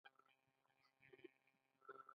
دا د سیسټین چیپل د چت د رنګولو په څیر و